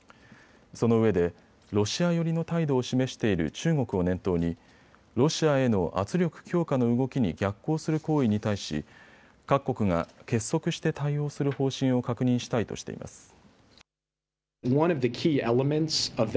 そのうえでロシア寄りの態度を示している中国を念頭にロシアへの圧力強化の動きに逆行する行為に対し各国が結束して対応する方針を確認したいとしています。